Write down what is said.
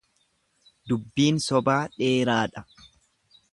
Dubbiin sobaa dheeraadha.